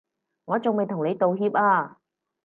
我仲未同你道歉啊